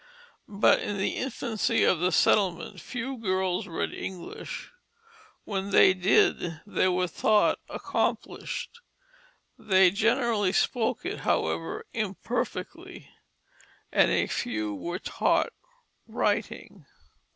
But in the infancy of the settlement few girls read English; when they did they were thought accomplished; they generally spoke it, however imperfectly, and a few were taught writing."